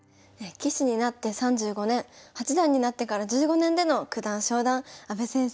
棋士になって３５年八段になってから１５年での九段昇段阿部先生